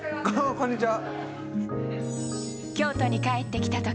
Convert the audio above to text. こんにちは。